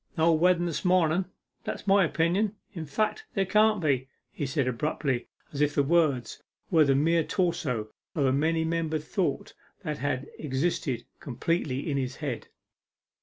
'No wedden this mornen that's my opinion. In fact, there can't be,' he said abruptly, as if the words were the mere torso of a many membered thought that had existed complete in his head.